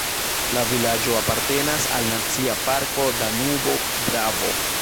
La vilaĝo apartenas al Nacia parko Danubo-Dravo.